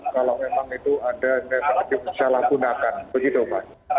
kalau memang itu ada salah gunakan begitu pak